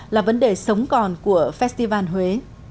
là vấn đề sống còn của festival huế